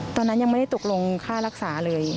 ตอนนั้นยังไม่ได้ตกลงค่ารักษาเลย